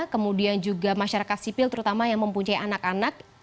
kemudian juga masyarakat sipil terutama yang mempunyai anak anak